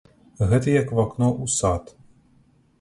Гэта як вакно ў сад.